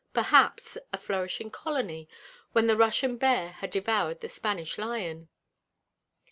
perhaps! a flourishing colony when the Russian bear had devoured the Spanish lion.